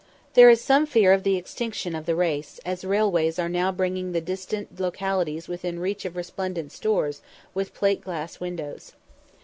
There is some fear of the extinction of the race, as railways are now bringing the most distant localities within reach of resplendent stores with plate glass windows.